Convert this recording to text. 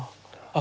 あ！